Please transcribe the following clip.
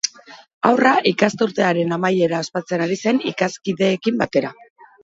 Haurra ikasturtearen amaiera ospatzen ari zen ikaskideekin batera.